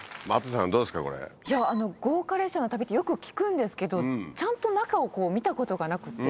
豪華列車の旅ってよく聞くんですけどちゃんと中をこう見たことがなくって。